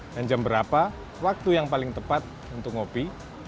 dan jam berapa waktu yang paling tepat untuk ngopi